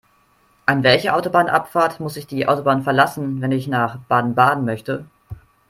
An welcher Autobahnabfahrt muss ich die Autobahn verlassen, wenn ich nach Baden-Baden möchte?